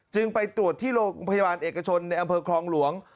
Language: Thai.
ไปตรวจที่โรงพยาบาลเอกชนในอำเภอคลองหลวง